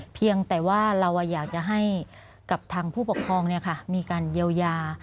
เพียงแต่ว่าเราอยากจะให้กับทางผู้ปกครองมีการเยียวยา